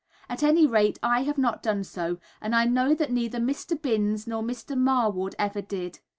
At any rate I have not done so, and I know that neither Mr. Binns nor Mr. Marwood ever did.